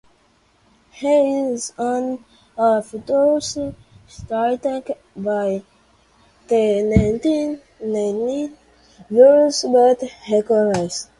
He is one of those stricken by the nanite virus but recovers.